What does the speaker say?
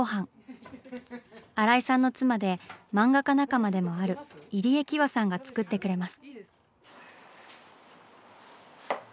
新井さんの妻で漫画家仲間でもある入江喜和さんが作ってくれます。